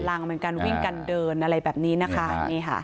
ออกกำลังเป็นการวิ่งกันเดินอะไรแบบนี้นะคะนี่ค่ะ